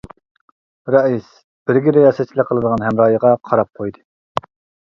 رەئىس بىرگە رىياسەتچىلىك قىلىدىغان ھەمراھىغا قاراپ قويدى.